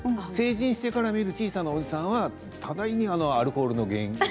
成人してから見える小さなおじさんは多大にアルコールの原因